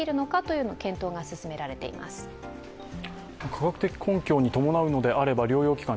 科学的根拠に伴うのであれば療養期間